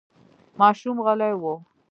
ماشوم غلی و.